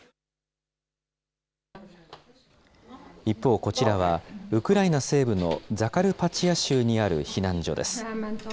一方、こちらはウクライナ西部のザカルパチア州にある避難所です。